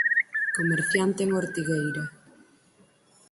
Comerciante en Ortigueira.